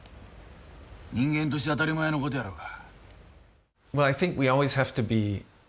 人間として当たり前のことやろが。